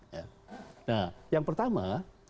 nah yang pertama